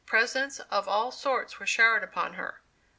Presents of all sorts were showered upon her.